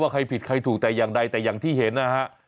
บอกเลยว่าใครผิดใครถูกแต่อย่างไรแต่อย่างที่เห็นนะฮะ